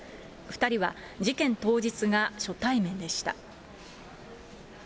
２人は事件当日が初対面でした。